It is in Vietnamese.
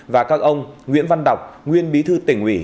và các ông nguyễn văn đọc nguyên bí thư tỉnh ủy